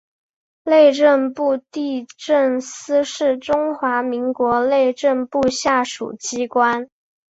内政部地政司是中华民国内政部下属机关。